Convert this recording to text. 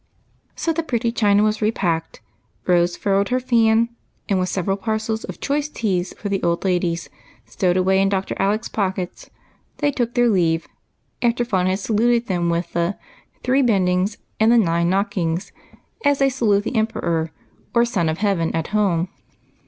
So the pretty china was re packed. Rose furled her fan, and with several parcels of choice teas for the old ladies stowed away in Dr. Alec's pockets, they took their leave, after Fun had saluted them with the " three bendings and the nine knockings," as they salute the Emperor, or " Son of Heaven," at home.